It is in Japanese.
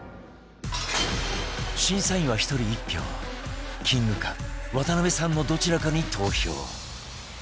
審査員は１人１票キングか渡邊さんのどちらかに投票